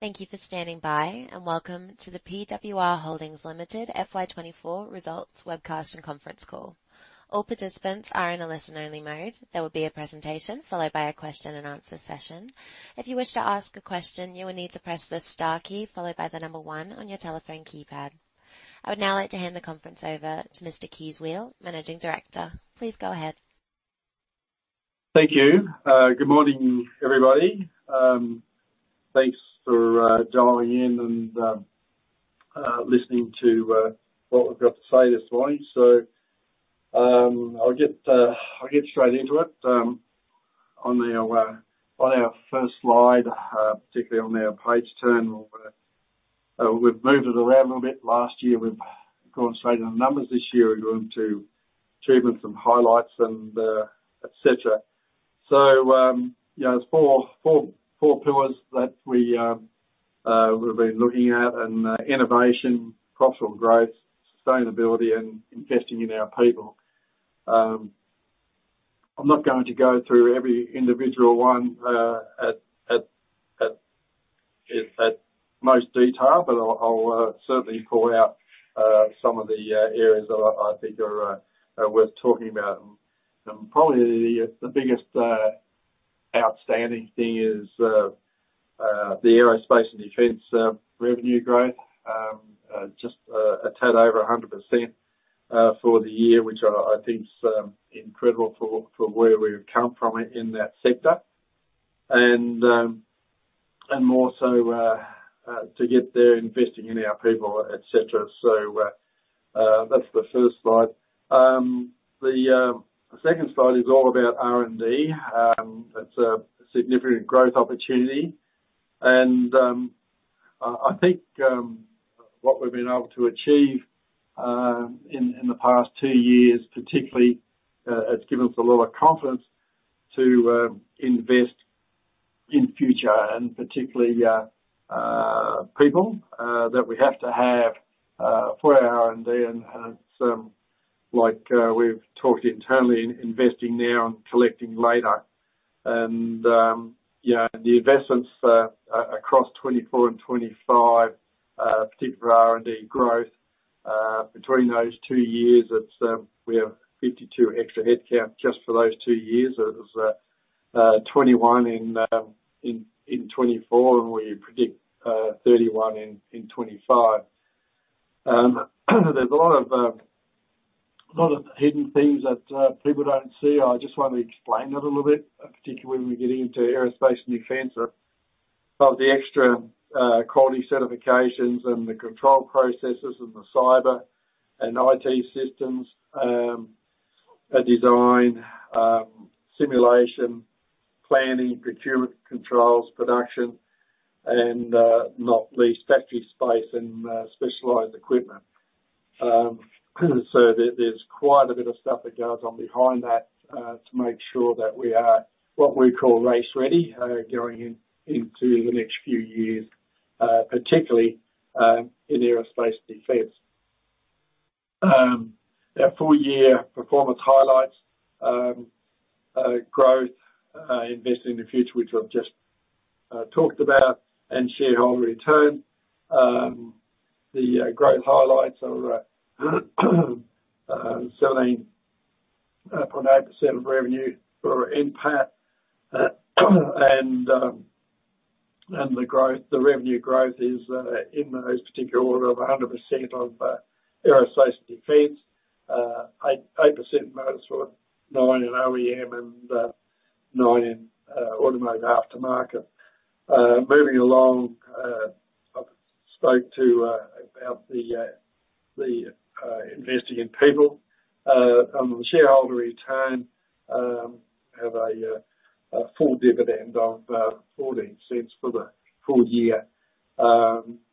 Thank you for standing by, and welcome to the PWR Holdings Limited FY 2024 Results Webcast and Conference Call. All participants are in a listen-only mode. There will be a presentation followed by a question and answer session. If you wish to ask a question, you will need to press the star key followed by the number one on your telephone keypad. I would now like to hand the conference over to Mr. Kees Weel, Managing Director. Please go ahead. Thank you. Good morning, everybody. Thanks for dialing in and listening to what we've got to say this morning. So, I'll get straight into it. On our first slide, particularly on our page turn, we've moved it around a little bit. Last year, we've gone straight into the numbers. This year, we've gone to achievements and highlights and et cetera. So, you know, there's four pillars that we've been looking at: innovation, profitable growth, sustainability, and investing in our people. I'm not going to go through every individual one in the most detail, but I'll certainly call out some of the areas that I think are worth talking about. Probably the biggest outstanding thing is the aerospace and defense revenue growth. Just a tad over 100% for the year, which I think is incredible for where we've come from in that sector. And more so to get there, investing in our people, et cetera. So that's the first slide. The second slide is all about R&D. That's a significant growth opportunity, and I think what we've been able to achieve in the past two years, particularly, has given us a lot of confidence to invest in future and particularly people that we have to have for our R&D. And like we've talked internally, investing now and collecting later. You know, the investments across 2024 and 2025, particularly for R&D growth, between those two years, it's we have 52 extra headcount just for those two years. It was 21 in 2024, and we predict 31 in 2025. There's a lot of a lot of hidden things that people don't see. I just want to explain it a little bit, particularly when we get into aerospace and defense. Of the extra quality certifications and the control processes and the cyber and IT systems, a design simulation, planning, procurement controls, production, and not least, factory space and specialized equipment. So there, there's quite a bit of stuff that goes on behind that, to make sure that we are, what we call "race ready," going in, into the next few years, particularly in aerospace and defense. Our full year performance highlights, growth, investing in the future, which I've just talked about, and shareholder return. The growth highlights are 17.8% of revenue for NPAT. The revenue growth is in those particular order of 100% on aerospace and defense, 8% in motorsport, 9% in OEM, and 9% in automotive aftermarket. Moving along, I spoke about the investing in people. On the shareholder return, have a full dividend of 0.14 for the full year,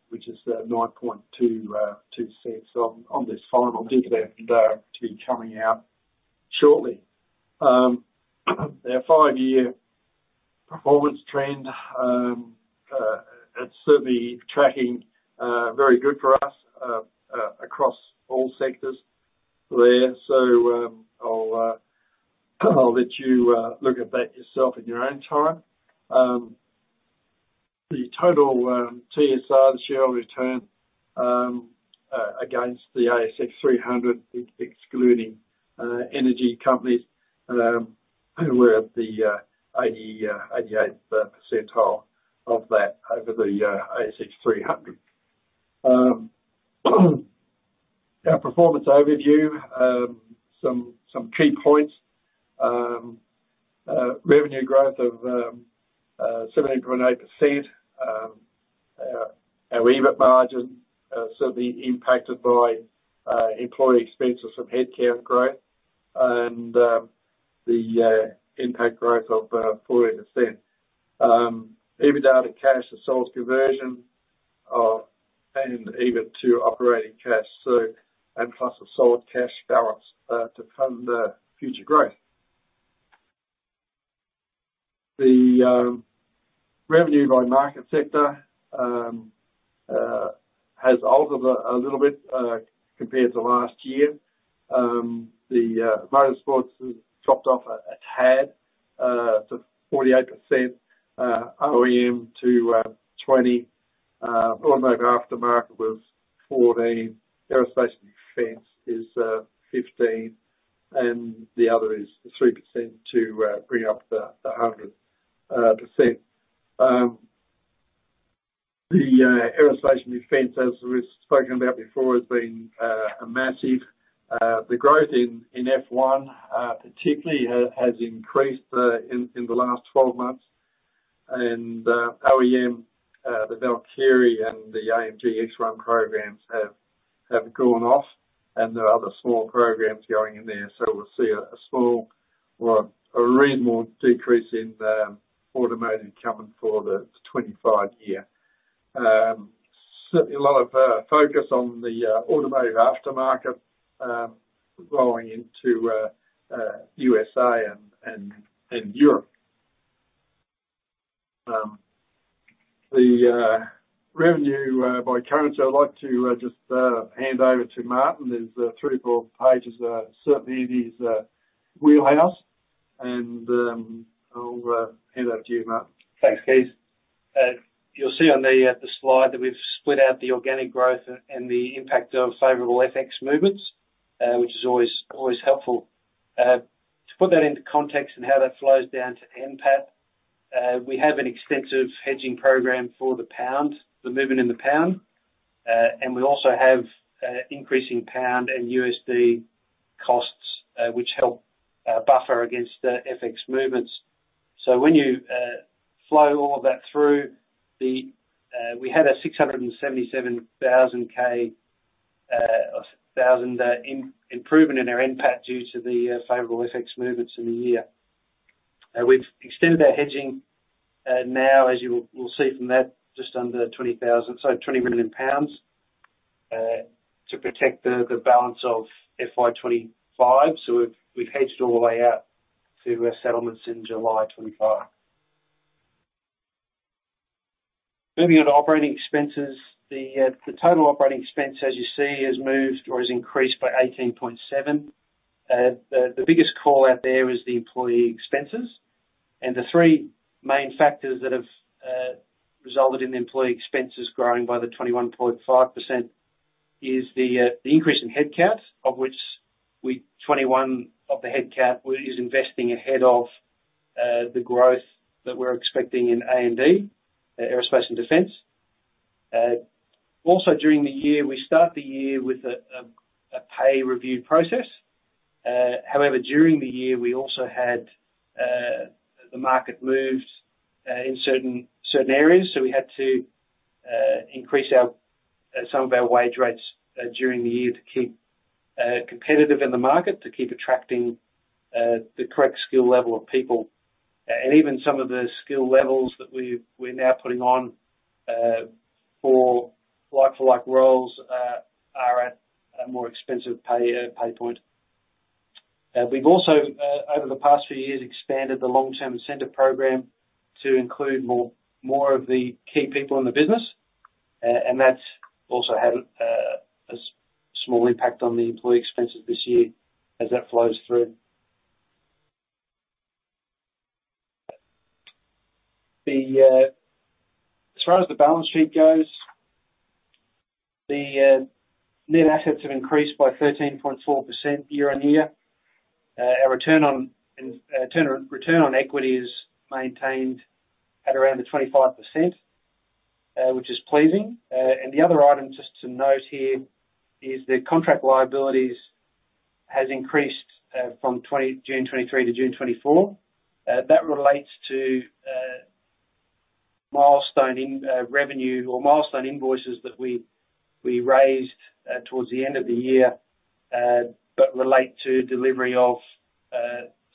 which is 0.0922 on this final dividend to be coming out shortly. Our five-year performance trend, it's certainly tracking very good for us across all sectors there. So, I'll let you look at that yourself in your own time. The total TSR, the shareholder return, against the ASX 300 excluding energy companies, we're at the 88th percentile of that over the ASX 300. Our performance overview, some key points. Revenue growth of 17.8%. Our EBIT margin certainly impacted by employee expenses from headcount growth and the NPAT growth of 14%. EBITDA to cash to sales conversion and EBIT to operating cash. So and plus a solid cash balance to fund future growth. The revenue by market sector has altered a little bit compared to last year. The Motorsports has dropped off a tad to 48%, OEM to 20. Automotive Aftermarket was 14, Aerospace and Defense is 15, and the other is 3% to bring up the 100%. The Aerospace and Defense, as we've spoken about before, has been massive. The growth in F1 particularly has increased in the last 12 months, and OEM the Valkyrie and the AMG X1 programs have gone off, and there are other small programs going in there. So we'll see a small or a reasonable decrease in automotive income for the 2025 year. Certainly a lot of focus on the Automotive Aftermarket going into USA and Europe. The revenue by current, I'd like to just hand over to Martin. There's three, four pages that are certainly in his wheelhouse, and I'll hand over to you, Martin. Thanks, Kees. You'll see on the slide that we've split out the organic growth and the impact of favorable FX movements, which is always helpful. To put that into context and how that flows down to NPAT, we have an extensive hedging program for the pound, the movement in the pound. And we also have increasing pound and USD costs, which help buffer against the FX movements. So when you flow all of that through, we had an AUD 677,000 improvement in our NPAT due to the favorable FX movements in the year. We've extended our hedging now, as you will see from that, just under 20,000, so 20 million pounds to protect the balance of FY 2025. So we've hedged all the way out through our settlements in July 2025. Moving on to operating expenses, the total operating expense, as you see, has moved or has increased by 18.7. The biggest call out there is the employee expenses, and the three main factors that have resulted in the employee expenses growing by the 21.5% is the increase in headcount, of which we, 21 of the headcount is investing ahead of the growth that we're expecting in A&D, Aerospace and Defense. Also, during the year, we start the year with a pay review process. However, during the year, we also had the market move in certain areas, so we had to increase some of our wage rates during the year to keep competitive in the market, to keep attracting the correct skill level of people. And even some of the skill levels that we're now putting on for like-for-like roles are at a more expensive pay point. We've also over the past few years expanded the long-term incentive program to include more of the key people in the business. And that's also had a small impact on the employee expenses this year as that flows through. As far as the balance sheet goes, the net assets have increased by 13.4% year-on-year. Our return on equity is maintained at around 25%, which is pleasing. And the other item, just to note here, is the contract liabilities has increased from June 2023 to June 2024. That relates to milestone in revenue or milestone invoices that we raised towards the end of the year, but relate to delivery of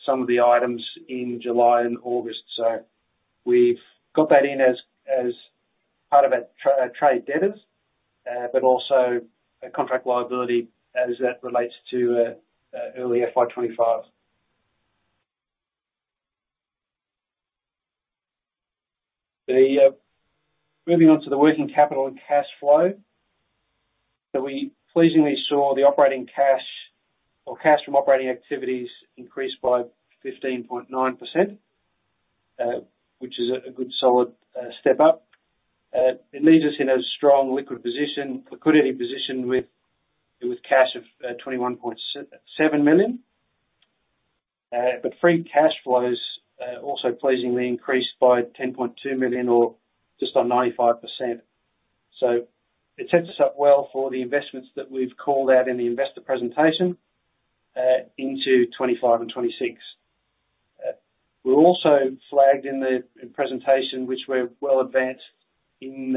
some of the items in July and August. So we've got that in as part of our trade debtors, but also a contract liability as that relates to early FY 2025. Moving on to the working capital and cash flow, so we pleasingly saw the operating cash or cash from operating activities increase by 15.9%, which is a good solid step up. It leaves us in a strong liquid position, liquidity position with cash of 21.7 million. But free cash flows also pleasingly increased by 10.2 million or just on 95%. So it sets us up well for the investments that we've called out in the investor presentation into 2025 and 2026. We've also flagged in the presentation, which we're well advanced in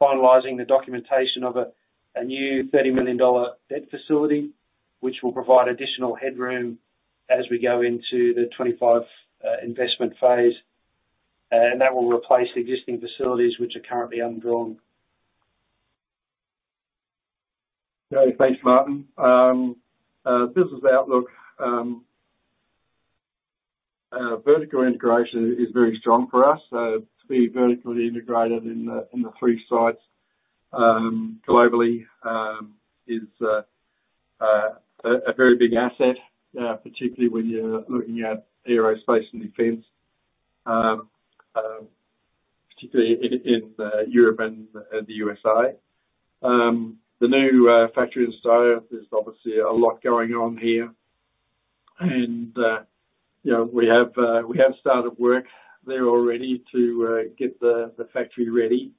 finalizing the documentation of a new $30 million debt facility, which will provide additional headroom as we go into the 2025 investment phase. And that will replace existing facilities which are currently undrawn. Yeah, thanks, Martin. Business outlook. Vertical integration is very strong for us, so to be vertically integrated in the three sites globally is a very big asset, particularly when you're looking at aerospace and defense, particularly in Europe and the USA. The new factory in Stapylton is obviously a lot going on here, and you know, we have started work there already to get the factory ready.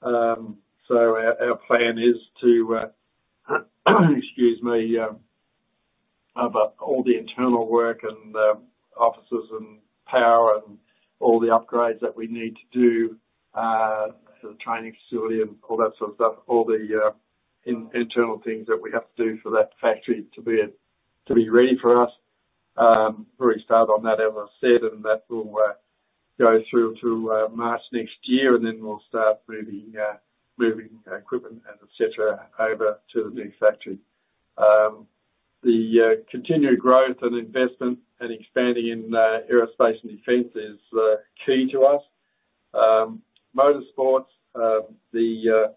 So our plan is to, excuse me, have all the internal work and offices and power and all the upgrades that we need to do, the training facility and all that sort of stuff, all the internal things that we have to do for that factory to be ready for us. We started on that, as I said, and that will go through to March next year, and then we'll start moving equipment and et cetera over to the new factory. The continued growth and investment and expanding in aerospace and defense is key to us. Motorsports, the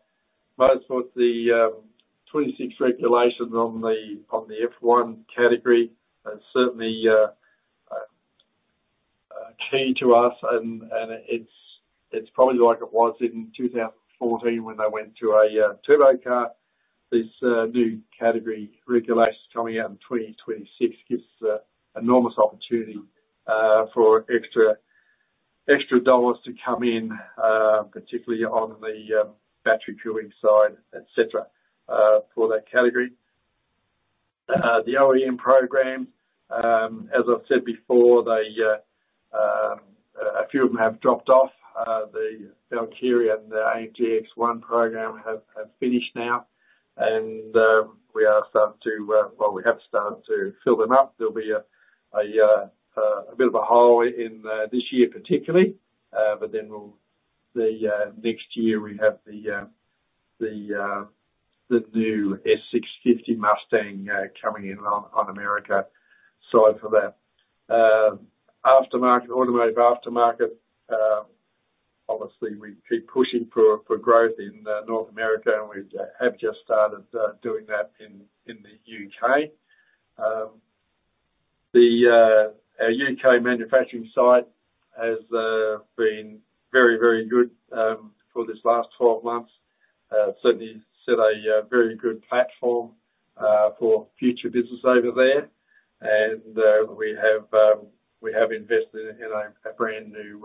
'26 regulation on the F1 category is certainly key to us. It's probably like it was in 2014 when they went to a turbo car. This new category regulation coming out in 2026 gives enormous opportunity for extra dollars to come in, particularly on the battery cooling side, et cetera, for that category. The OEM program, as I've said before, a few of them have dropped off. The Valkyrie and the AMG X1 program have finished now, and, well, we have started to fill them up. There'll be a bit of a hole in this year particularly. But then we'll—the next year, we have the new S650 Mustang coming in on America. So for that, aftermarket, automotive aftermarket, obviously, we keep pushing for growth in North America, and we have just started doing that in the UK. Our UK manufacturing site has been very, very good for this last 12 months. Certainly set a very good platform for future business over there. And we have invested in a brand new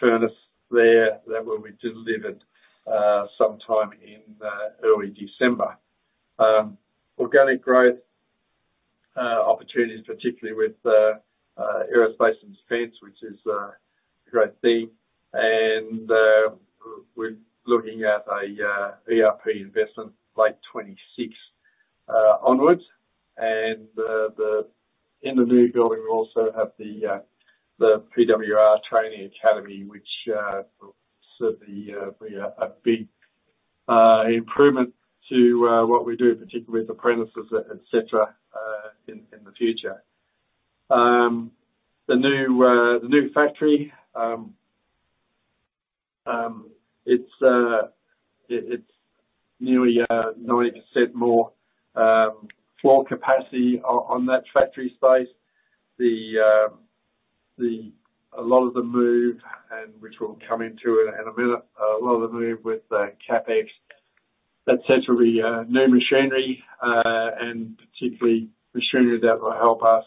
furnace there that will be delivered sometime in early December. Organic growth opportunities, particularly with aerospace and defense, which is a great theme. And we're looking at an ERP investment, late 2026 onwards. In the new building, we also have the PWR Training Academy, which will serve to be a big improvement to what we do, particularly with apprentices, et cetera, in the future. The new factory, it's nearly 90% more floor capacity on that factory site. A lot of the move, which we'll come into in a minute, a lot of the move with the CapEx, et cetera, the new machinery, and particularly machinery that will help us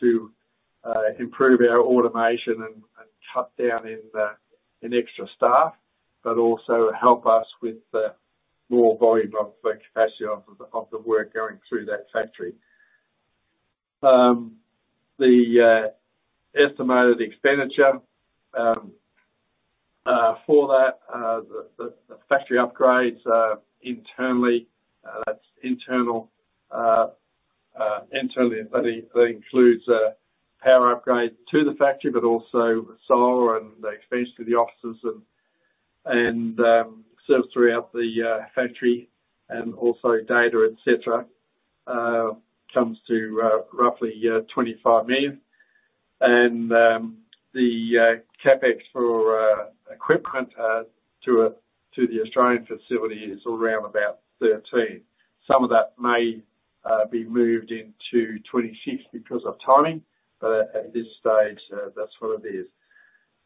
to improve our automation and cut down on extra staff, but also help us with more volume of the capacity of the work going through that factory. The estimated expenditure for that, the factory upgrades internally, but it includes a power upgrade to the factory, but also solar and expansion to the offices and served throughout the factory and also data, et cetera, comes to roughly 25 million. And the CapEx for equipment to the Australian facility is around about 13. Some of that may be moved into 2026 because of timing, at this stage, that's what it is.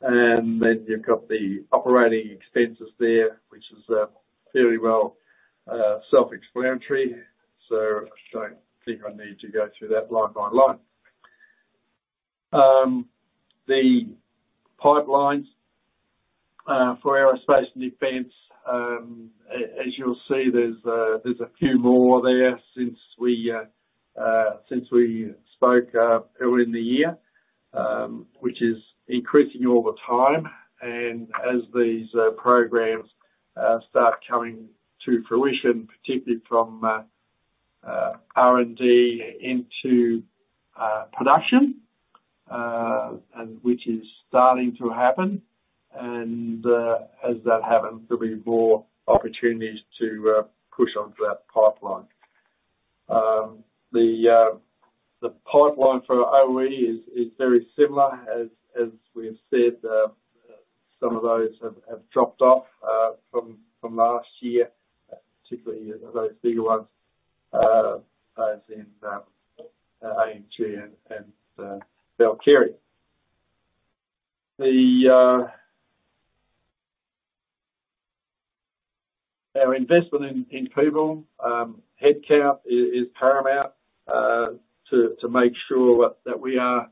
And then you've got the operating expenses there, which is fairly well self-explanatory, so I don't think I need to go through that line by line. The pipelines for aerospace and defense, as you'll see, there's a few more there since we spoke earlier in the year, which is increasing all the time. And as these programs start coming to fruition, particularly from R&D into production, and which is starting to happen, and as that happens, there'll be more opportunities to push onto that pipeline. The pipeline for OE is very similar. As we have said, some of those have dropped off from last year, particularly those bigger ones, as in AMG and Valkyrie. Our investment in people headcount is paramount to make sure that we are,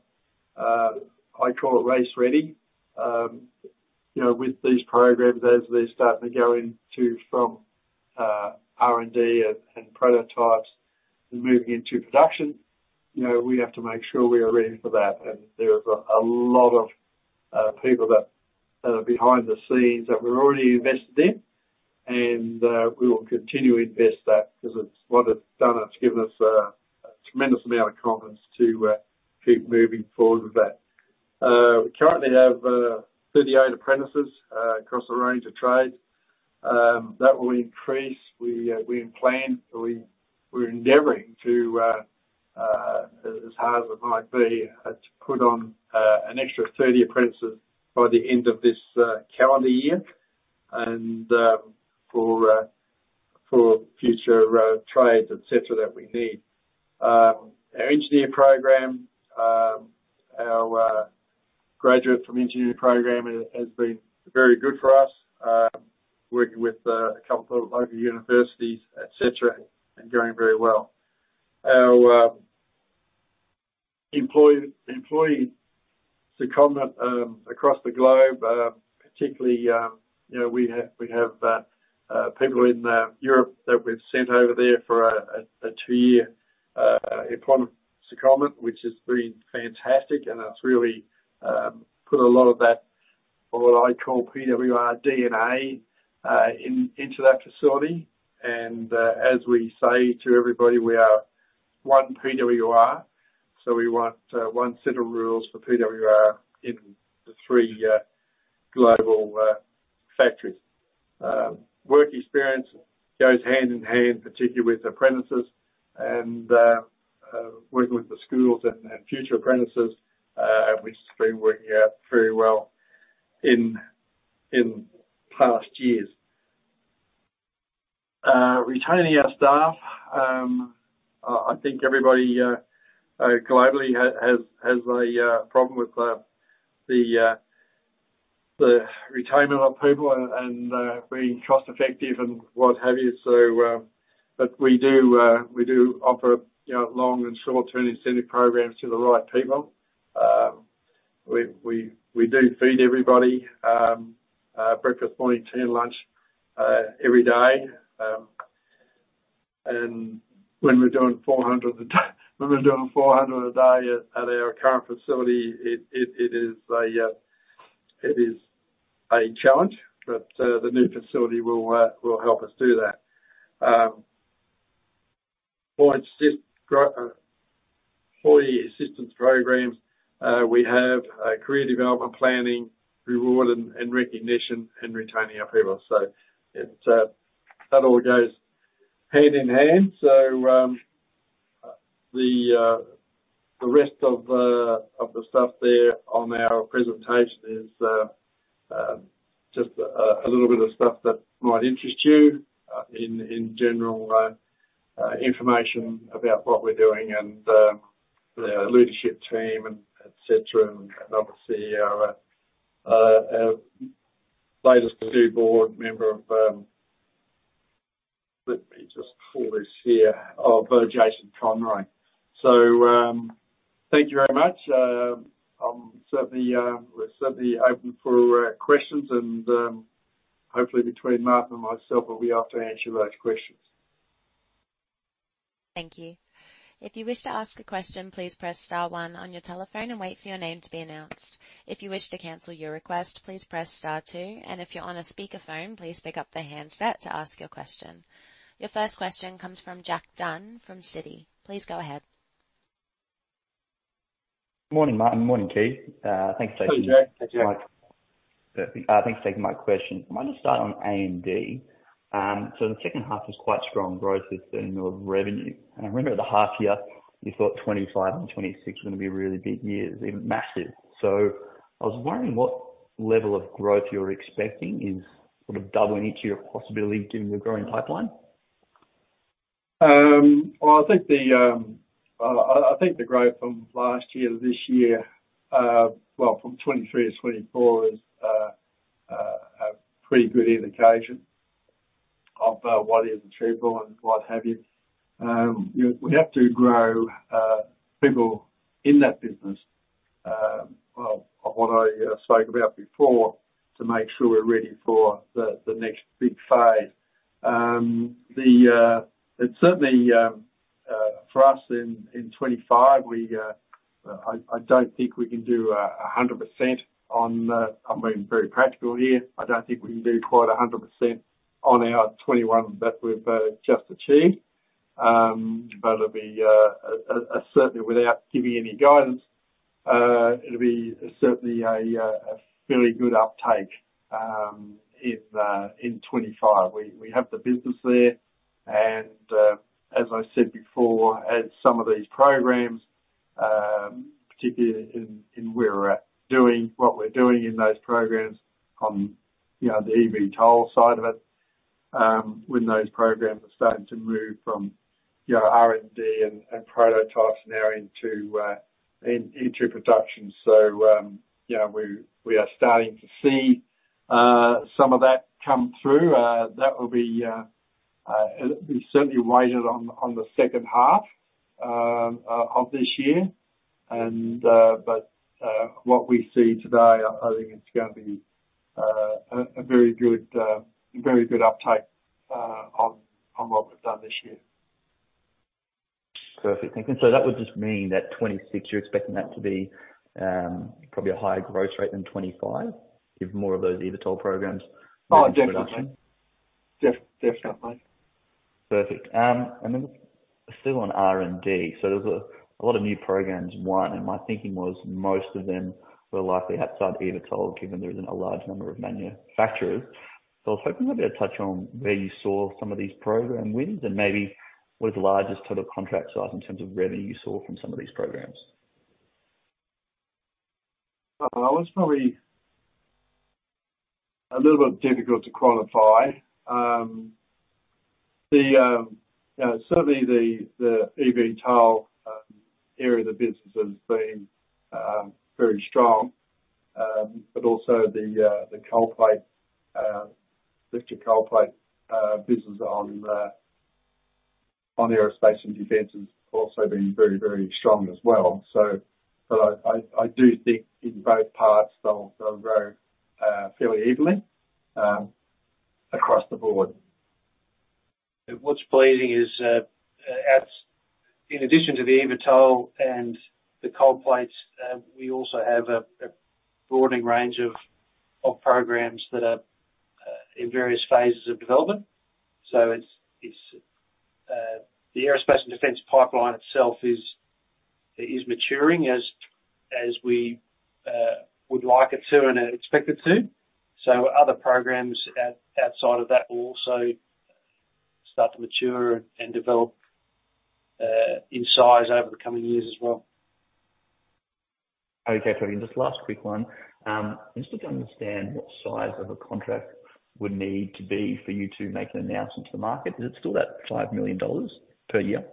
I call it race-ready. You know, with these programs, as they start to go from R&D and prototypes and moving into production, you know, we have to make sure we are ready for that. And there are a lot of people behind the scenes that we're already invested in, and we will continue to invest that because it's what it's done, it's given us a tremendous amount of confidence to keep moving forward with that. We currently have 38 apprentices across a range of trades. That will increase. We plan, we're endeavoring to, as hard as it might be, to put on an extra 30 apprentices by the end of this calendar year, and for future trades, et cetera, that we need. Our engineering program, our graduates from engineering program has been very good for us, working with a couple of local universities, et cetera, and going very well. Our employee secondment across the globe, particularly, you know, we have people in Europe that we've sent over there for a two-year employment secondment, which has been fantastic, and it's really put a lot of that, what I call PWR DNA, into that facility. And as we say to everybody, we are one PWR, so we want one set of rules for PWR in the three global factories. Work experience goes hand in hand, particularly with apprentices and working with the schools and future apprentices, which has been working out very well in past years. Retaining our staff, I think everybody globally has a problem with the retirement of people and being cost effective and what have you. So, but we do offer, you know, long and short-term incentive programs to the right people. We do feed everybody breakfast, morning tea, and lunch every day. And when we're doing 400 a day when we're doing 400 a day at our current facility, it is a challenge, but the new facility will help us do that. Employee assistance programs, we have career development planning, reward and recognition, and retaining our people. So, that all goes hand in hand. So, the rest of the stuff there on our presentation is just a little bit of stuff that might interest you in general information about what we're doing and the leadership team and et cetera. And obviously, our latest new board member. Let me just pull this here. Oh, Jason Conroy. So, thank you very much. I'm certainly, we're certainly open for questions, and hopefully between Martin and myself, we'll be able to answer those questions. Thank you. If you wish to ask a question, please press star one on your telephone and wait for your name to be announced. If you wish to cancel your request, please press star two, and if you're on a speakerphone, please pick up the handset to ask your question. Your first question comes from Jack Dunn from Citi. Please go ahead. Morning, Martin. Morning, Kees. Thanks for taking- Hey, Jack. Thanks for taking my question. I might just start on A&D. So the second half was quite strong growth in your revenue. I remember at the half year, you thought 2025 and 2026 were gonna be really big years, even massive. So I was wondering what level of growth you're expecting in sort of doubling each year possibility given the growing pipeline? Well, I think the growth from last year to this year, well, from 2023 to 2024, is a pretty good indication of what is achievable and what have you. You know, we have to grow people in that business, well, of what I spoke about before, to make sure we're ready for the next big phase. It's certainly for us in 2025, I don't think we can do 100% on, I'm being very practical here. I don't think we can do quite 100% on our 21% that we've just achieved. But it'll be certainly without giving any guidance- it'll be certainly a very good uptake in 2025. We have the business there, and as I said before, as some of these programs, particularly in where we're at, doing what we're doing in those programs, on, you know, the eVTOL side of it, when those programs are starting to move from, you know, R&D and prototypes now into production. So, yeah, we are starting to see some of that come through. That will be, it'll be certainly weighted on the second half of this year. And but what we see today, I think it's going to be a very good uptake on what we've done this year. Perfect. Thank you. So that would just mean that 2026, you're expecting that to be probably a higher growth rate than 2025, if more of those eVTOL programs. Oh, definitely. Definitely. Perfect. And then still on R&D. So there's a lot of new programs in one, and my thinking was most of them were likely outside eVTOL, given there isn't a large number of manufacturers. So I was hoping maybe I'd touch on where you saw some of these program wins, and maybe what is the largest total contract size in terms of revenue you saw from some of these programs? Well, it's probably a little bit difficult to quantify. You know, certainly the eVTOL area of the business has been very strong, but also the cold plate electric cold plate business on aerospace and defense has also been very, very strong as well. So but I do think in both parts, they'll grow fairly evenly across the board. What's pleasing is, In addition to the eVTOL and the cold plates, we also have a broadening range of programs that are in various phases of development. So it's the aerospace and defense pipeline itself is maturing as we would like it to and expect it to. So other programs outside of that will also start to mature and develop in size over the coming years as well. Okay, perfect. Just one last quick one. Just look to understand what size of a contract would need to be for you to make an announcement to the market. Is it still that 5 million dollars per year?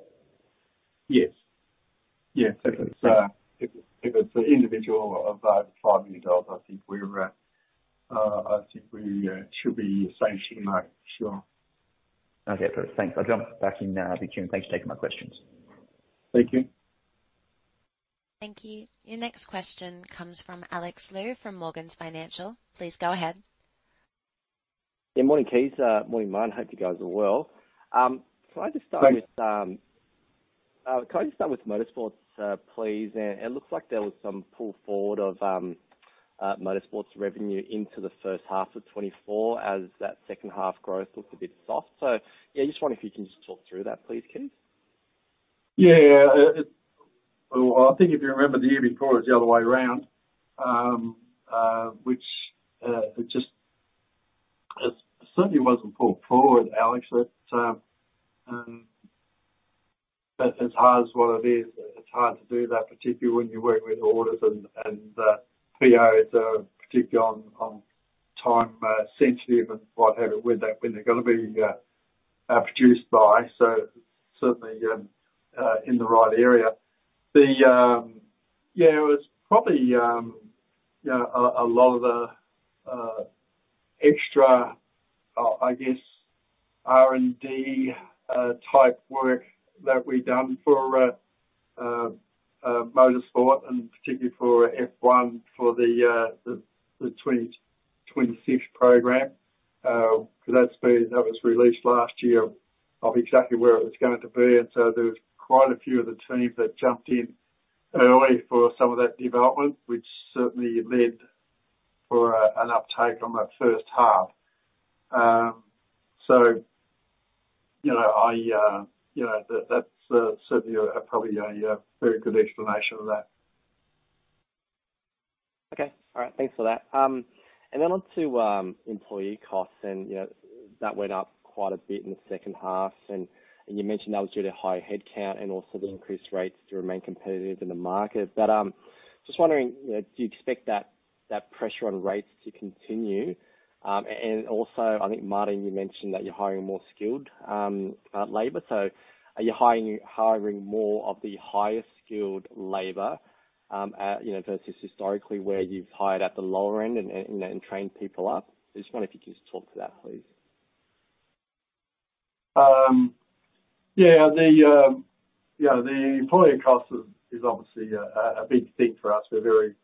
Yes. Yes, if it's, if it's an individual of over 5 million, I think we're, I think we, should be saying something about it, sure. Okay, perfect. Thanks. I'll jump back in now. Thank you for taking my questions. Thank you. Thank you. Your next question comes from Alex Liu from Morgans Financial. Please go ahead. Yeah, morning, Kees. Morning, Martin. Hope you guys are well. Can I just start with, Great. Can I just start with motorsports, please? It looks like there was some pull forward of motorsports revenue into the first half of 2024, as that second half growth looks a bit soft. Yeah, just wondering if you can just talk through that please, Kees? Yeah, it... Well, I think if you remember, the year before, it was the other way around. Which, it just, it certainly wasn't pulled forward, Alex. It, but it's hard is what it is. It's hard to do that, particularly when you're working with orders and, and, POs, particularly on, on time, sensitive and what have you, when they, when they're gonna be, produced by. So certainly, in the right area. The yeah, it was probably, you know, a, a lot of the, extra, I guess, R&D, type work that we've done for, motorsport, and particularly for F1, for the, the, the 2026 program, because that's been, that was released last year of exactly where it was going to be. So there was quite a few of the teams that jumped in early for some of that development, which certainly led for an uptake on that first half. So, you know, that's certainly probably a very good explanation of that. Okay. All right, thanks for that. And then on to employee costs, and, you know, that went up quite a bit in the second half, and you mentioned that was due to higher headcount and also the increased rates to remain competitive in the market. But just wondering, you know, do you expect that, that pressure on rates to continue? And also, I think, Martin, you mentioned that you're hiring more skilled labor. So are you hiring more of the higher skilled labor, you know, versus historically, where you've hired at the lower end and trained people up? I just wonder if you could just talk to that, please. Yeah, you know, the employee cost is obviously a big thing for us. We're very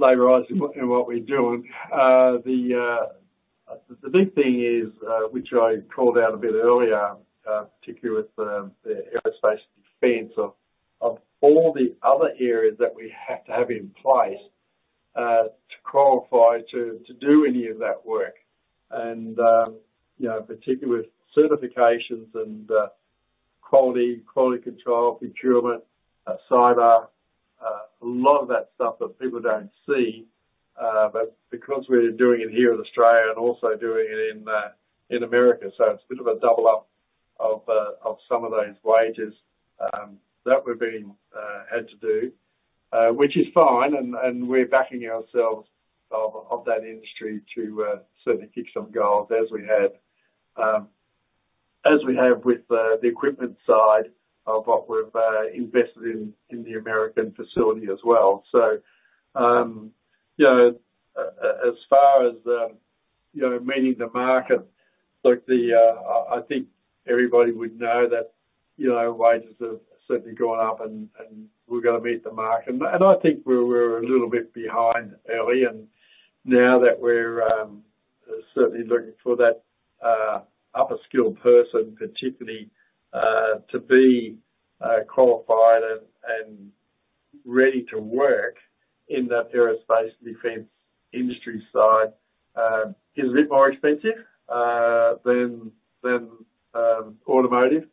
labor-intensive in what we're doing. The big thing is, which I called out a bit earlier, particularly with the aerospace and defense of all the other areas that we have to have in place to qualify to do any of that work. And you know, particular certifications and quality control, procurement, cyber, a lot of that stuff that people don't see. But because we're doing it here in Australia and also doing it in America, so it's a bit of a double up of some of those wages that we're having to do. Which is fine, and we're backing ourselves in that industry to certainly kick some goals, as we have. As we have with the equipment side of what we've invested in the American facility as well. So, you know, as far as, you know, meeting the market, look, I think everybody would know that, you know, wages have certainly gone up and we've got to meet the market. And I think we were a little bit behind early, and now that we're certainly looking for that upper skilled person, particularly to be qualified and ready to work in that aerospace defense industry side is a bit more expensive than automotive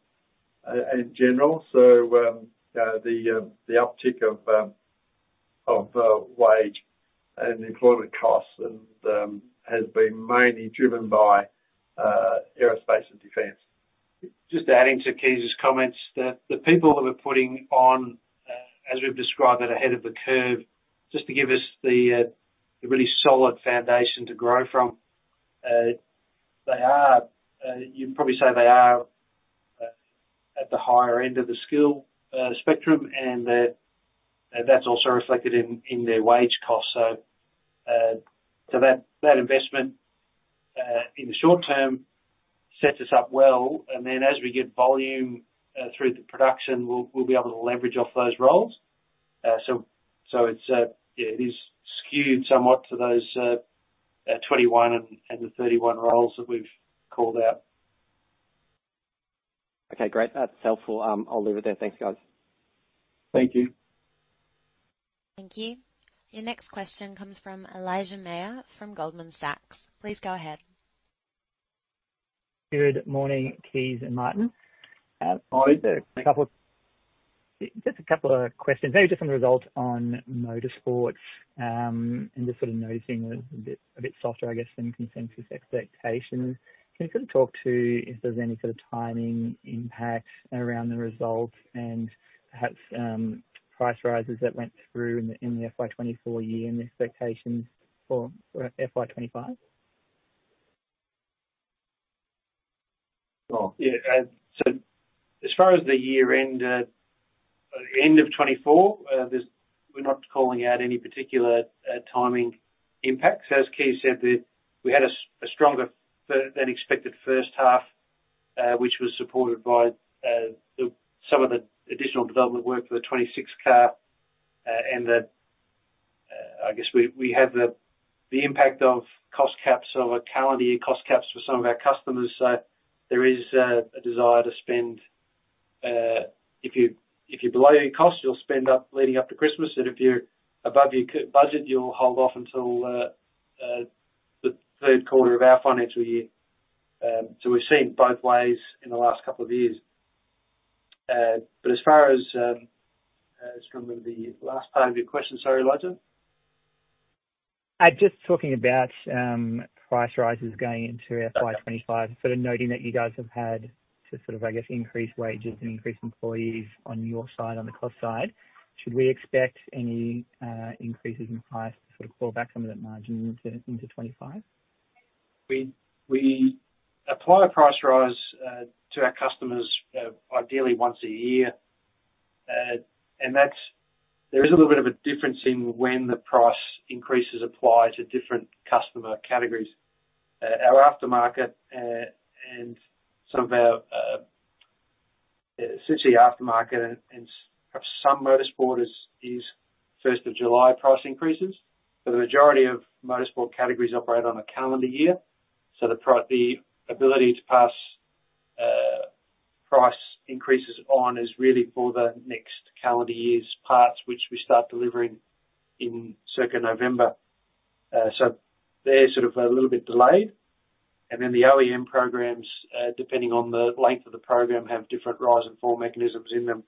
in general. The uptick of wage and employment costs and has been mainly driven by aerospace and defense. Just adding to Kees's comments, the people that we're putting on, as we've described it, ahead of the curve, just to give us the really solid foundation to grow from, they are, you'd probably say they are, at the higher end of the skill spectrum, and that's also reflected in their wage costs. So, that investment in the short term sets us up well, and then as we get volume through the production, we'll be able to leverage off those roles. So, it's, yeah, it is skewed somewhat to those 21 and the 31 roles that we've called out. Okay, great. That's helpful. I'll leave it there. Thanks, guys. Thank you. Thank you. Your next question comes from Elijah Mayr from Goldman Sachs. Please go ahead. Good morning, Kees and Martin. Morning. Just a couple of questions, maybe just on the results on Motorsports, and just sort of noticing a bit, a bit softer, I guess, than consensus expectations. Can you kind of talk to if there's any sort of timing impact around the results and perhaps, price rises that went through in the, in the FY 2024 year and the expectations for, for FY 2025? Well, yeah, so as far as the year-end, end of 2024, we're not calling out any particular timing impacts. As Kees said, we had a stronger first half than expected, which was supported by some of the additional development work for the 2026 car, and I guess we have the impact of cost caps on our calendar year, cost caps for some of our customers. So there is a desire to spend, if you're below your cost, you'll spend up leading up to Christmas, and if you're above your budget, you'll hold off until the third quarter of our financial year. So we've seen it both ways in the last couple of years. But as far as, just trying to remember the last part of your question, sorry, Elijah? Just talking about price rises going into FY 2025. Okay. Sort of noting that you guys have had to sort of, I guess, increase wages and increase employees on your side, on the cost side. Should we expect any increases in price to sort of claw back some of that margin into 25? We apply a price rise to our customers ideally once a year. There is a little bit of a difference in when the price increases apply to different customer categories. Our aftermarket and some of our essentially the aftermarket and perhaps some motorsport is first of July price increases, but the majority of motorsport categories operate on a calendar year. So the ability to pass price increases on is really for the next calendar year's parts, which we start delivering in circa November. So they're sort of a little bit delayed. And then the OEM programs, depending on the length of the program, have different rise and fall mechanisms in them.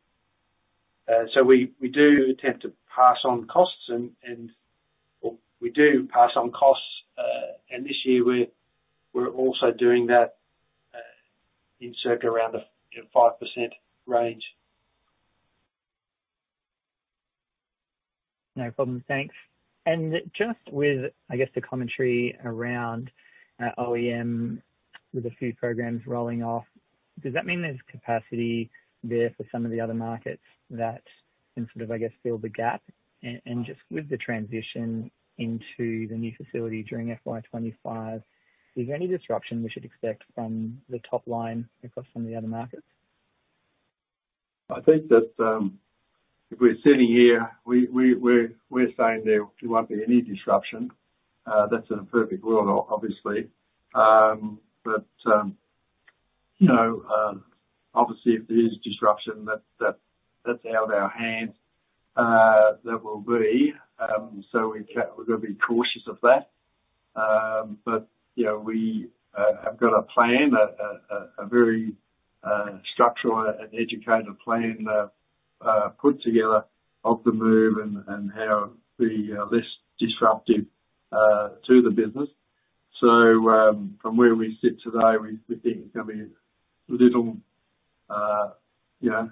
So we do tend to pass on costs, or we do pass on costs, and this year we're also doing that in circa around the, you know, 5% range. No problem. Thanks. And just with, I guess, the commentary around OEM, with a few programs rolling off, does that mean there's capacity there for some of the other markets that can sort of, I guess, fill the gap? And just with the transition into the new facility during FY 25, is there any disruption we should expect from the top line across some of the other markets? I think that, if we're sitting here, we're saying there won't be any disruption. That's in a perfect world, obviously. But, you know, obviously, if there is disruption, that's out of our hands, there will be, so we're gonna be cautious of that. But, you know, we have got a plan, a very structural and educated plan put together of the move and how it'll be less disruptive to the business. So, from where we sit today, we think it's gonna be little, you know,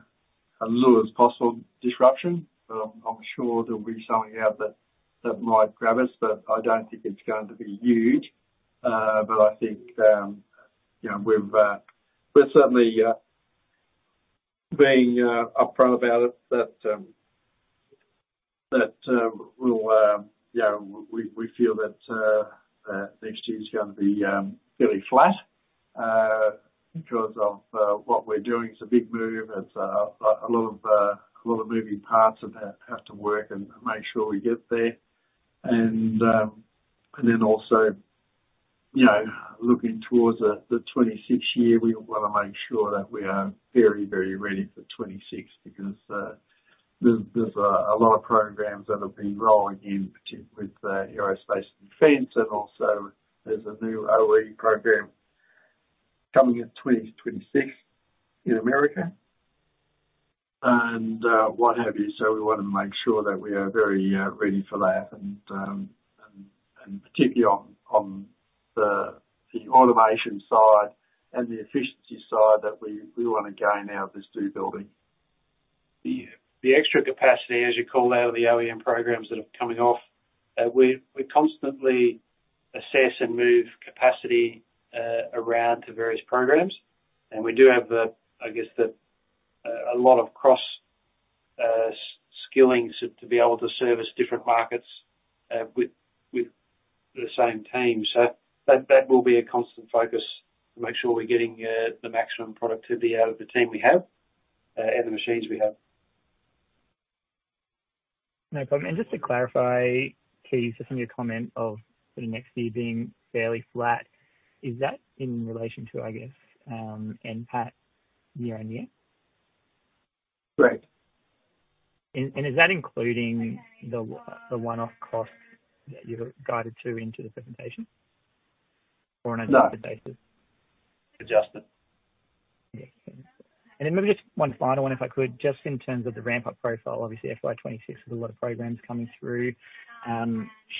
as little as possible disruption. But I'm sure there'll be something out there that might grab us, but I don't think it's going to be huge. But I think, you know, we've, we're certainly being upfront about it, that we'll, yeah, we feel that next year's gonna be fairly flat, because of what we're doing. It's a big move. It's a lot of a lot of moving parts that have to work and make sure we get there. And then also, you know, looking towards the the 2026 year, we want to make sure that we are very, very ready for 2026, because there's a lot of programs that will be rolling in, particularly with Aerospace and Defense, and also there's a new OE program coming in 2026 in America, and what have you. So we wanna make sure that we are very ready for that. And particularly on the automation side and the efficiency side, that we wanna gain out of this new building. The extra capacity, as you call out, are the OEM programs that are coming off. We constantly assess and move capacity around to various programs. And we do have, I guess, a lot of cross skilling to be able to service different markets with the same team. So that will be a constant focus to make sure we're getting the maximum productivity out of the team we have and the machines we have. No problem. Just to clarify, Kees, just from your comment of sort of next year being fairly flat, is that in relation to, I guess, NPAT year-on-year? Correct. Is that including the one-off costs that you've guided to in the presentation, or on an adjusted basis? No. Adjusted. Then maybe just one final one, if I could. Just in terms of the ramp-up profile, obviously FY 2026 has a lot of programs coming through.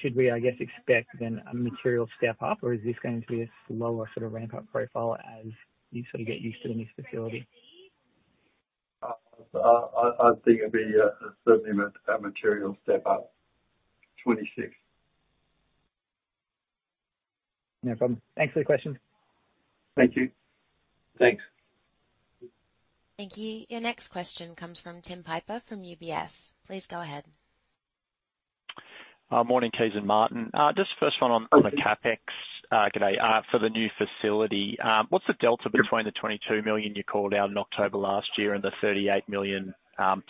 Should we, I guess, expect then a material step up, or is this going to be a slower sort of ramp-up profile as you sort of get used to the new facility? I think it'd be certainly a material step up, 2026. No problem. Thanks for the questions. Thank you. Thanks. Thank you. Your next question comes from Tim Piper, from UBS. Please go ahead. Morning, Kees and Martin. Just first one on. Morning. The CapEx. Good day. For the new facility, what's the delta between the 22 million you called out in October last year and the 38 million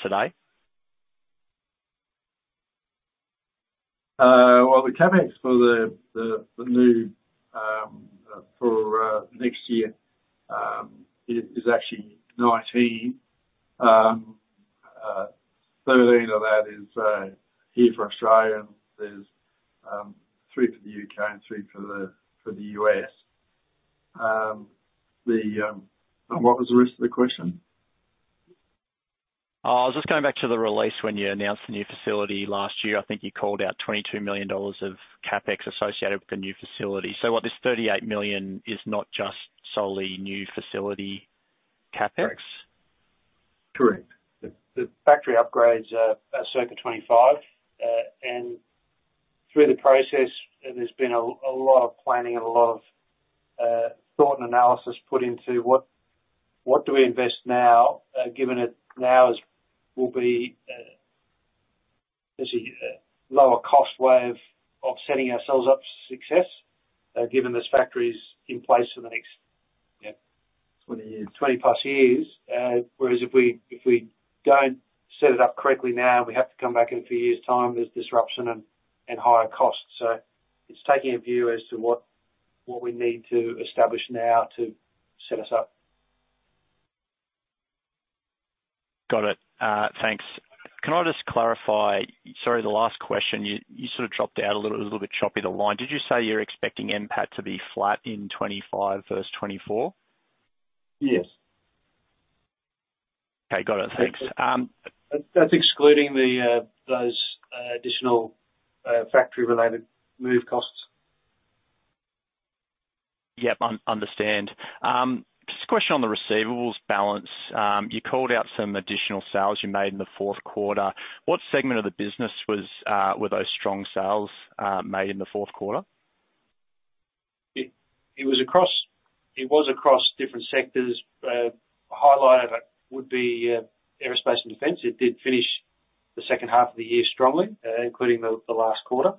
today? Well, the CapEx for the new for next year is actually 19 million. 13 million of that is here for Australia, there's 3 million for the U.K., and 3 for the U.S. And what was the rest of the question? I was just going back to the release when you announced the new facility last year. I think you called out 22 million dollars of CapEx associated with the new facility. So what, this 38 million is not just solely new facility CapEx? Correct. The factory upgrades are circa 2025. And through the process, there's been a lot of planning and a lot of thought and analysis put into what do we invest now, given it now is, will be, there's a lower cost way of setting ourselves up for success, given this factory is in place for the next, yeah- Twenty years. 20+ years. Whereas if we don't set it up correctly now, we have to come back in a few years' time, there's disruption and higher costs. So it's taking a view as to what we need to establish now to set us up. Got it. Thanks. Can I just clarify? Sorry, the last question you sort of dropped out a little bit choppy, the line. Did you say you're expecting NPAT to be flat in 2025 versus 2024? Yes. Okay, got it. Thanks. That's excluding those additional factory-related move costs. Yep, understand. Just a question on the receivables balance. You called out some additional sales you made in the fourth quarter. What segment of the business were those strong sales made in the fourth quarter? It was across different sectors. A highlight of it would be Aerospace and Defense. It did finish the second half of the year strongly, including the last quarter.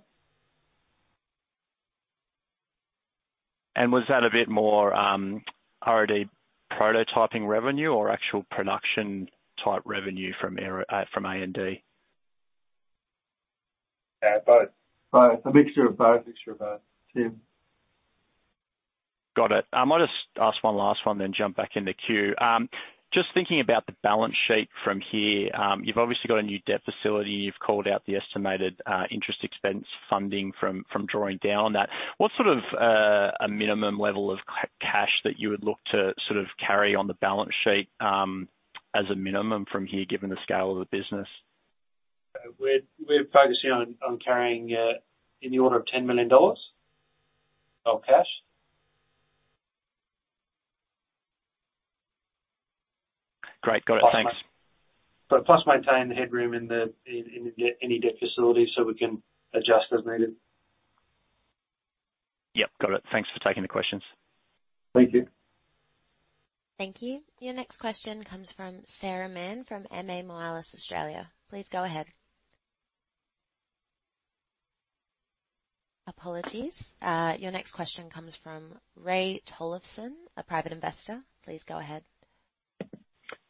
Was that a bit more R&D prototyping revenue or actual production-type revenue from aero, from A&D? Both, a mixture of both, mixture of both. Yeah. Got it. I might just ask one last one, then jump back in the queue. Just thinking about the balance sheet from here, you've obviously got a new debt facility. You've called out the estimated interest expense funding from drawing down on that. What sort of a minimum level of cash that you would look to sort of carry on the balance sheet as a minimum from here, given the scale of the business? We're focusing on carrying in the order of 10 million dollars of cash. Great. Got it. Thanks. Plus maintaining the headroom in any debt facility, so we can adjust as needed. Yep. Got it. Thanks for taking the questions. Thank you. Thank you. Your next question comes from Sarah Mann, from MA Moelis Australia. Please go ahead. Apologies, your next question comes from Ray Tollefson, a private investor. Please go ahead.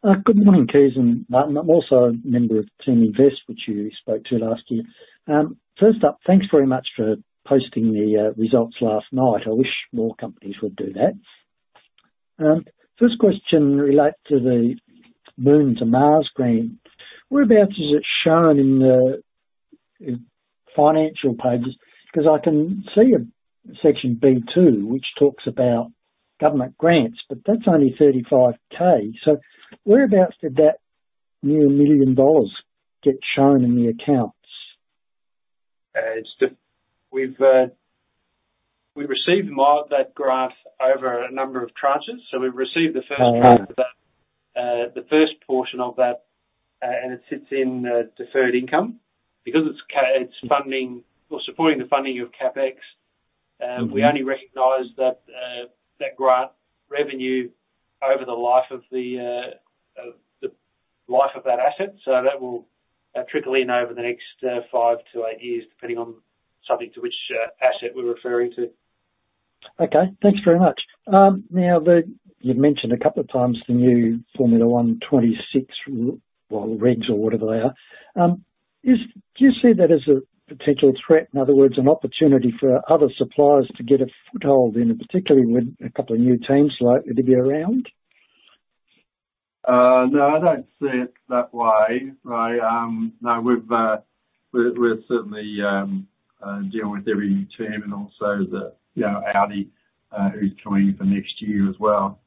Good morning, Kees and Martin. I'm also a member of Teaminvest, which you spoke to last year. First up, thanks very much for posting the results last night. I wish more companies would do that. First question relates to the Moon to Mars grant. Whereabouts is it shown in the financial pages? Because I can see in section B2, which talks about government grants, but that's only 35,000. So whereabouts did that near 1 million dollars get shown in the accounts? We've received more of that grant over a number of tranches. So we've received the first. Uh-huh Tranche of that, the first portion of that, and it sits in, deferred income. Because it's funding or supporting the funding of CapEx. Mm-hmm We only recognize that grant revenue over the life of that asset. So that will trickle in over the next 5-8 years, depending on subject to which asset we're referring to. Okay, thanks very much. Now you've mentioned a couple of times the new Formula 1, 2026, well, regs or whatever they are. Do you see that as a potential threat, in other words, an opportunity for other suppliers to get a foothold in, and particularly with a couple of new teams likely to be around? No, I don't see it that way. No, we're certainly dealing with every team and also the, you know, Audi, who's coming for next year as well.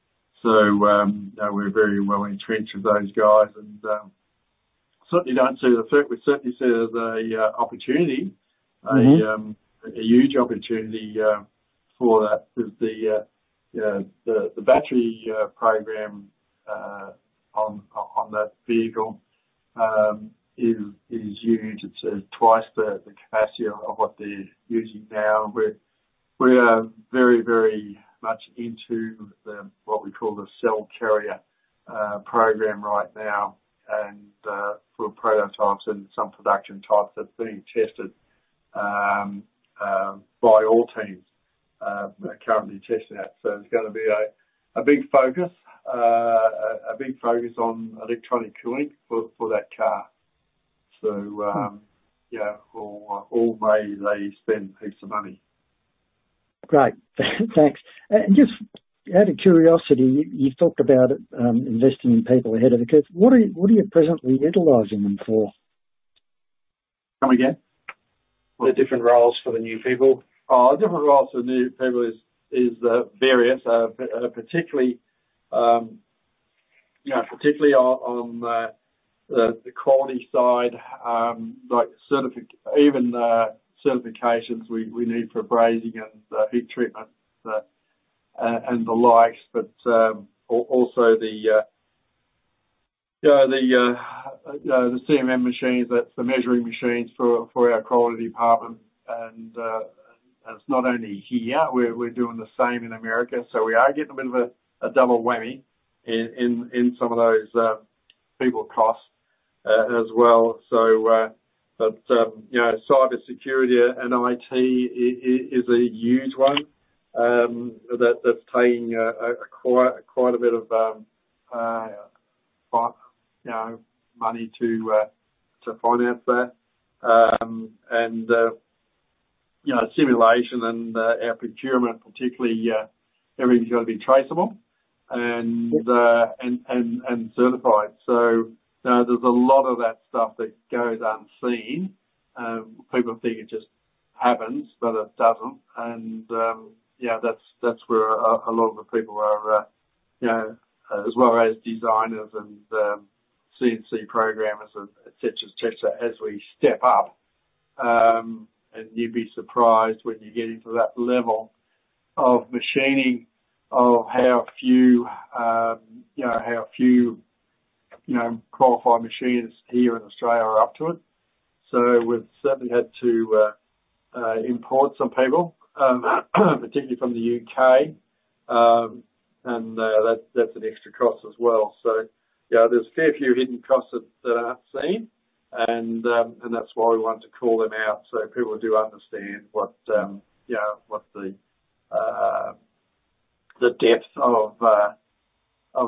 So, you know, we're very well entrenched with those guys, and certainly don't see the We certainly see it as a opportunity. Mm-hmm. A huge opportunity for that with the you know the battery program on that vehicle is huge. It's twice the capacity of what they're using now. We are very, very much into what we call the cell carrier program right now. And for prototypes and some production types, that's being tested by all teams currently testing out. So it's gonna be a big focus on electronic cooling for that car. So yeah, for always they spend heaps of money. Great. Thanks. And just out of curiosity, you, you've talked about, investing in people ahead of the curve. What are you, what are you presently utilizing them for? Come again? The different roles for the new people. Oh, different roles for the new people is various, particularly, you know, particularly on the quality side, like certification, even certifications we need for brazing and heat treatment, and the like. But also the, you know, the CMM machines, that's the measuring machines for our quality department. And it's not only here, we're doing the same in America, so we are getting a bit of a double whammy in some of those people costs as well. So but, you know, cybersecurity and IT is a huge one, that's taking quite a bit of, you know, money to finance that. And, you know, simulation and our procurement, particularly, everything's got to be traceable and, and, and certified. So, you know, there's a lot of that stuff that goes unseen. People think it just happens, but it doesn't. And, yeah, that's, that's where a, a lot of the people are, you know, as well as designers and, CNC programmers and et cetera, et cetera, as we step up. And you'd be surprised when you get into that level of machining, of how few, you know, how few, you know, qualified machinists here in Australia are up to it. So we've certainly had to import some people, particularly from the U.K. And, that's, that's an extra cost as well. So yeah, there's a fair few hidden costs that, that aren't seen. That's why we want to call them out, so people do understand what the depth of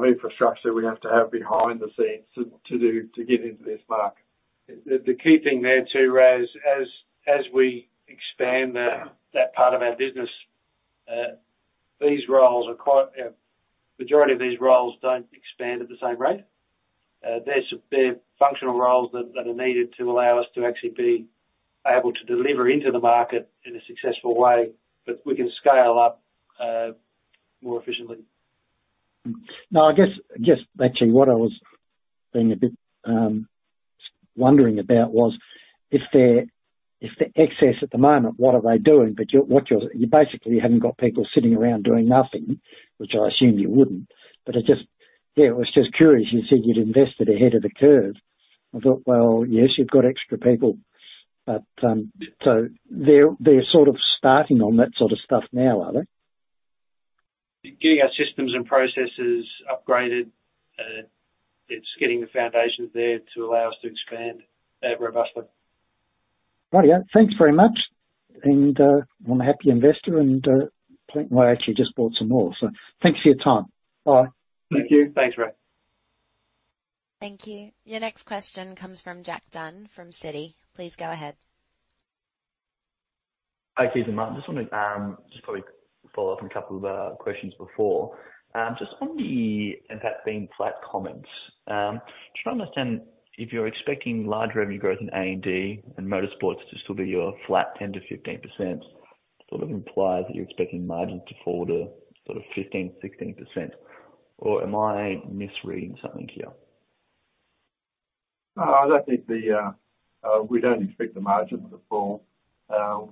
infrastructure we have to have behind the scenes to do, to get into this market. The key thing there too us, as we expand that part of our business, the majority of these roles don't expand at the same rate. They're functional roles that are needed to allow us to actually be able to deliver into the market in a successful way, but we can scale up more efficiently. No, I guess just actually what I was being a bit wondering about was if they're, if the excess at the moment, what are they doing? But what you're, you basically haven't got people sitting around doing nothing, which I assumed you wouldn't. But so they're sort of starting on that sort of stuff now, are they? Getting our systems and processes upgraded, it's getting the foundations there to allow us to expand robustly. Righteo. Thanks very much. And, I'm a happy investor, and, well, I actually just bought some more, so thanks for your time. Bye. Thank you. Thanks, Ray. Thank you. Your next question comes from Jack Dunn from Citi. Please go ahead. Hi, Kees and Martin. I just wanted to just probably follow up on a couple of questions before. Just on the impact being flat comments, trying to understand if you're expecting large revenue growth in A&D and motorsports to still be your flat 10%-15%, sort of implies that you're expecting margins to fall to sort of 15%-16%. Or am I misreading something here? No, I don't think we don't expect the margins to fall.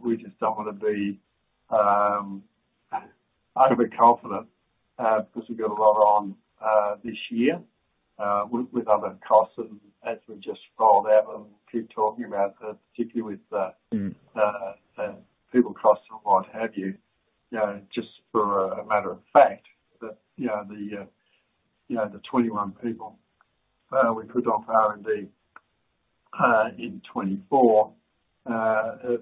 We just don't want to be overconfident, because we've got a lot on this year, with other costs, and as we just rolled out and keep talking about, particularly with. Mm. People costs and what have you, you know, just for a matter of fact, that, you know, the 21 people we put off R&D in 2024, there's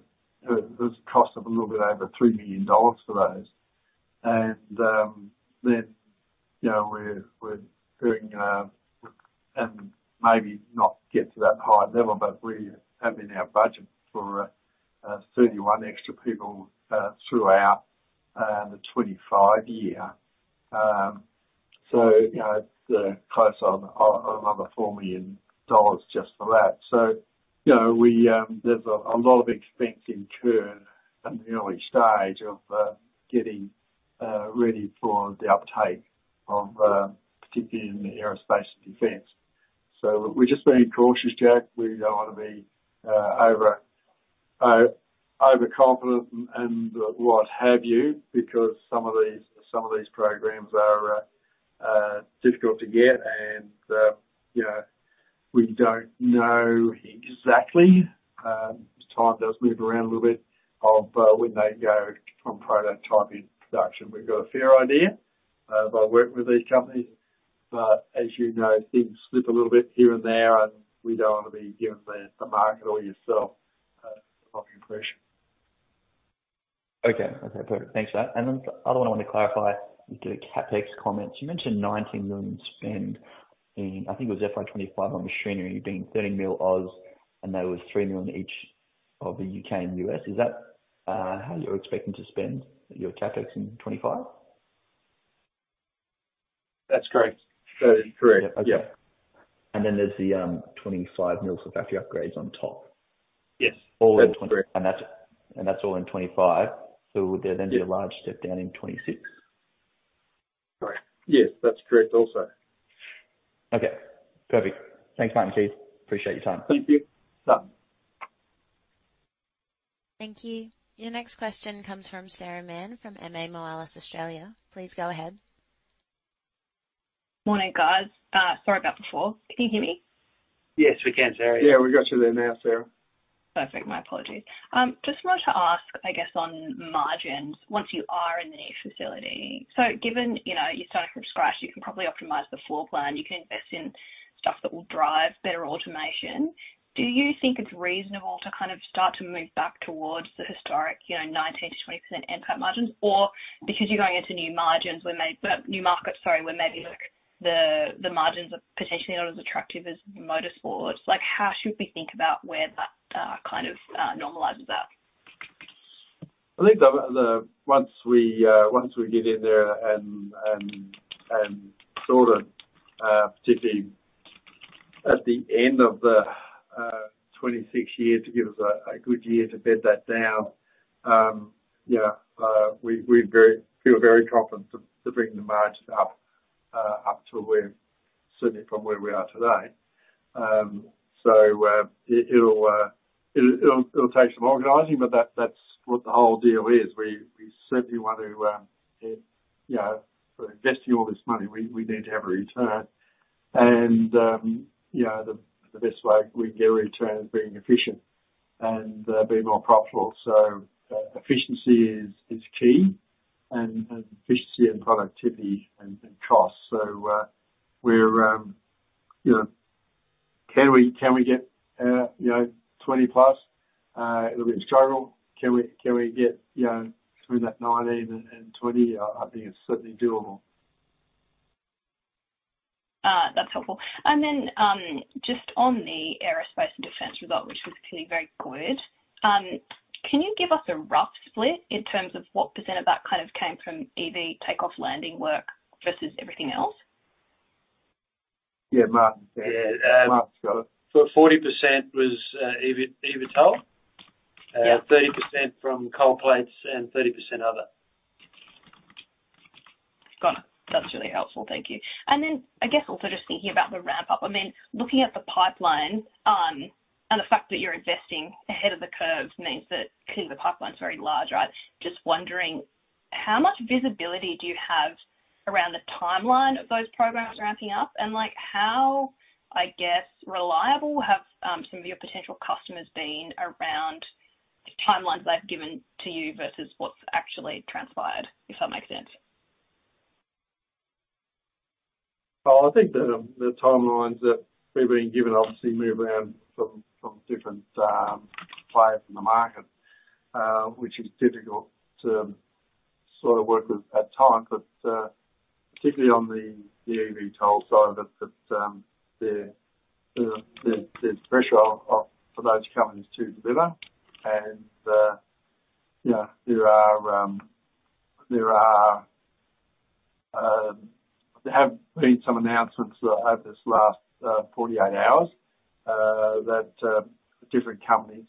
a cost of a little bit over 3 million dollars for those. And then, you know, we're doing, and maybe not get to that high level, but we have in our budget for 31 extra people throughout the 2025 year. So, you know, it's close on another 4 million dollars just for that. So, you know, we, there's a lot of expense incurred at an early stage of getting ready for the uptake of, particularly in the aerospace and defense. So we're just being cautious, Jack. We don't want to be overconfident and what have you, because some of these programs are difficult to get and, you know, we don't know exactly, as time does move around a little bit, of when they go from prototype into production. We've got a fair idea by working with these companies, but as you know, things slip a little bit here and there, and we don't want to be giving the market or yourself the wrong impression. Okay. Okay, perfect. Thanks for that. The other one I wanted to clarify, with the CapEx comments, you mentioned 19 million spend in, I think it was FY 2025 on machinery, being 30 million, and that was 3 million each of the U.K. and U.S. Is that how you're expecting to spend your CapEx in 2025? That's correct. That is correct. Okay. Yeah. And then there's the 25 million for factory upgrades on top? Yes. All in 20? That's correct. That's all in 2025, so there'll then be a large step down in 2026? Sorry. Yes, that's correct also. Okay, perfect. Thanks, Martin and Kees. Appreciate your time. Thank you. Bye. Thank you. Your next question comes from Sarah Mann, from MA Moelis Australia. Please go ahead. Morning, guys. Sorry about before. Can you hear me? Yes, we can, Sarah. Yeah, we got you there now, Sarah. Perfect. My apologies. Just wanted to ask, I guess on margins, once you are in the new facility, so given, you know, you're starting from scratch, you can probably optimize the floor plan, you can invest in stuff that will drive better automation. Do you think it's reasonable to kind of start to move back towards the historic, you know, 19%-20% NPAT margins, or because you're going into new margins where maybe- new markets, sorry, where maybe, like, the, the margins are potentially not as attractive as motorsports. Like, how should we think about where that, kind of, normalizes out? I think once we get in there and sort of particularly at the end of the 2026 year to give us a good year to bed that down, we feel very confident to bring the margins up to where certainly from where we are today. So it'll take some organizing, but that's what the whole deal is. We certainly want to, you know, investing all this money, we need to have a return. And you know, the best way we can get a return is being efficient and being more profitable. So efficiency is key and efficiency and productivity and cost. So we're, you know. Can we get, you know, 20+? It'll be a struggle. Can we, can we get, you know, through that 19 and 20? I think it's certainly doable. That's helpful. And then, just on the aerospace and defense result, which was continuing very good, can you give us a rough split in terms of what % of that kind of came from EV takeoff, landing work versus everything else? Yeah, Martin. Yeah, uh. Martin's got it. 40% was EV, eVTOL. Yeah. 30% from cold plates and 30% other. Got it. That's really helpful. Thank you. And then I guess also just thinking about the ramp up, I mean, looking at the pipeline, and the fact that you're investing ahead of the curve means that clearly the pipeline's very large, right? Just wondering, how much visibility do you have around the timeline of those programs ramping up? And like, how, I guess, reliable have, some of your potential customers been around the timelines they've given to you versus what's actually transpired, if that makes sense? Well, I think the timelines that we've been given obviously move around from different players in the market, which is difficult to sort of work with at times, but particularly on the eVTOL side, that there's pressure on for those companies to deliver. And you know, there are... There have been some announcements over this last 48 hours that different companies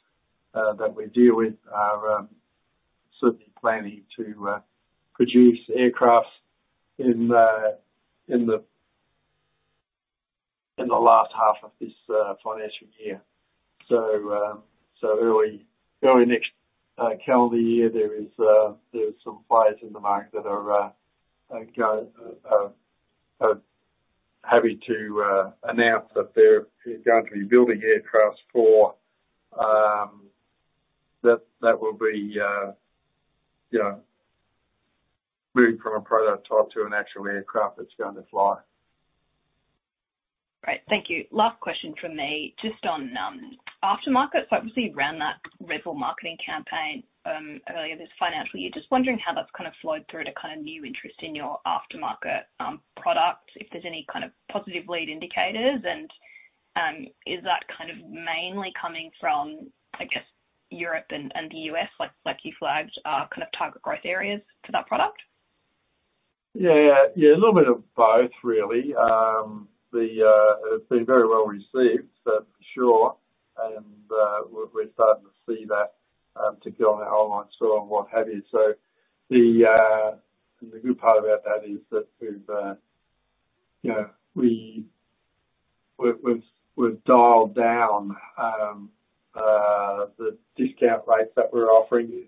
that we deal with are certainly planning to produce aircraft in the last half of this financial year. So, early next calendar year, there are some players in the market that are happy to announce that they're going to be building aircraft that will be, you know, moving from a prototype to an actual aircraft that's going to fly. Great. Thank you. Last question from me, just on aftermarket. So obviously around that Red Bull marketing campaign earlier this financial year, just wondering how that's kind of flowed through to kind of new interest in your aftermarket product? If there's any kind of positive lead indicators and is that kind of mainly coming from, I guess, Europe and the U.S., like you flagged kind of target growth areas for that product? Yeah. Yeah, a little bit of both, really. It's been very well received, for sure. And, we're starting to see that, particularly on the online store and what have you. So the good part about that is that we've, you know, we've dialed down the discount rates that we're offering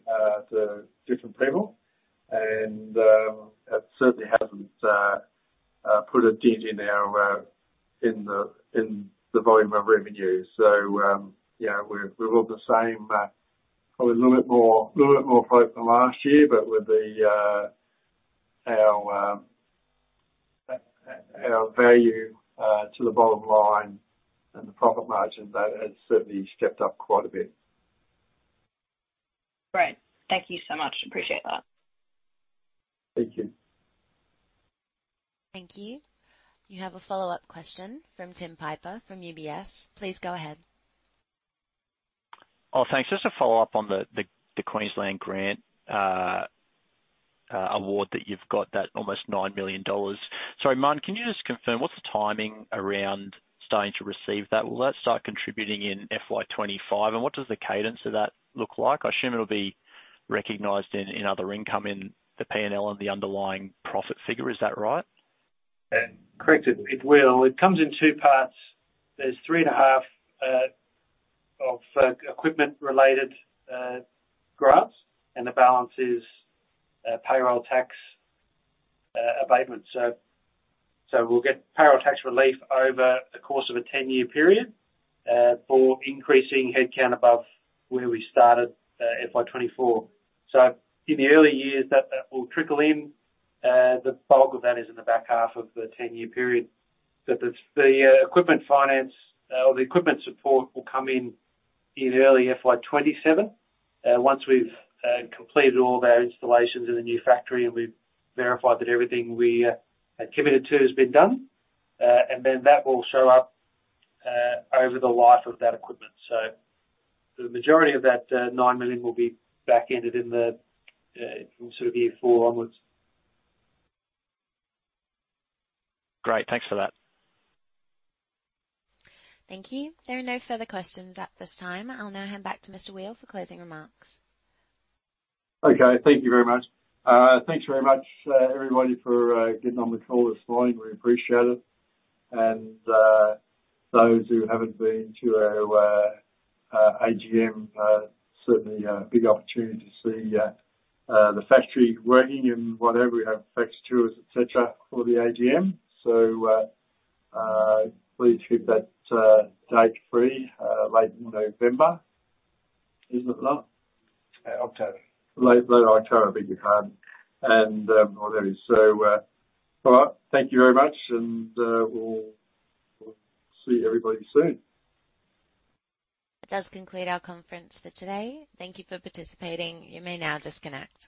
to different people, and it certainly hasn't put a dent in the volume of revenue. So, yeah, we're all the same, probably a little bit more profit than last year, but with our value to the bottom line and the profit margin, that has certainly stepped up quite a bit. Great. Thank you so much. Appreciate that. Thank you. Thank you. You have a follow-up question from Tim Piper from UBS. Please go ahead. Oh, thanks. Just to follow up on the Queensland grant award that you've got, that almost 9 million dollars. Sorry, Martin, can you just confirm what's the timing around starting to receive that? Will that start contributing in FY 2025, and what does the cadence of that look like? I assume it'll be recognized in other income in the PNL and the underlying profit figure. Is that right? Correct. It will. It comes in two parts. There's 3.5 of equipment related grants, and the balance is payroll tax abatement. So we'll get payroll tax relief over the course of a 10-year period for increasing headcount above where we started FY 2024. So in the early years, that will trickle in. The bulk of that is in the back half of the 10-year period. But the equipment finance or the equipment support will come in in early FY 2027. Once we've completed all of our installations in the new factory and we've verified that everything we had committed to has been done, and then that will show up over the life of that equipment. So the majority of that 9 million will be backended in the from sort of year 4 onward. Great. Thanks for that. Thank you. There are no further questions at this time. I'll now hand back to Mr. Weel for closing remarks. Okay. Thank you very much. Thanks very much, everybody, for getting on the call this morning. We appreciate it. And, those who haven't been to our AGM, certainly, big opportunity to see the factory working and whatever. We have factory tours, et cetera, for the AGM. So, please keep that date free, late November. Is it, Martin? Uh, October. Late, late October. Thank you, Martin. And, well, that is so. All right. Thank you very much, and, we'll see everybody soon. That does conclude our conference for today. Thank you for participating. You may now disconnect.